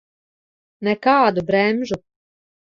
Nekādu bremžu.